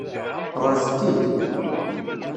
Ɣṛet-t-id.